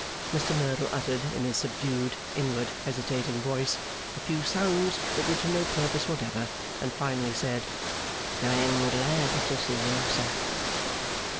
Mr Merdle uttered, in his subdued, inward, hesitating voice, a few sounds that were to no purpose whatever; and finally said, 'I am glad to see you, sir.